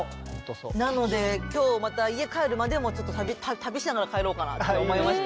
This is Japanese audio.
なので今日また家帰るまでもちょっと旅しながら帰ろうかなと思いました。